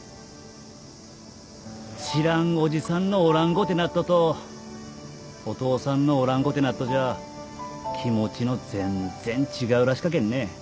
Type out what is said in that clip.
知らんおじさんのおらんごてなっととお父さんがおらんごてなっとじゃ気持ちの全然違うらしかけんね。